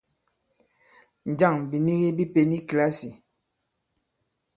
Njâŋ bìnigi bi pěn i kìlasì ?